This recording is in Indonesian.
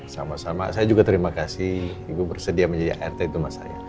sama sama saya juga terima kasih ibu bersedia menjadi art itu mas saya